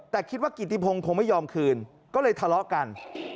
แต่คิดว่ากิติพงศ์คงไม่ยอมคืนก็เลยทะเลาะกัน